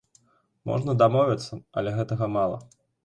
Можна дамовіцца, але гэтага мала.